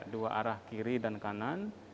dua arah kiri dan kanan